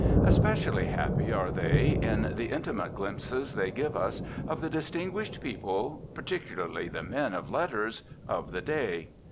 Especially happy are they in the intimate glimpses they give us of the distinguished people, particularly the men of letters, of the day.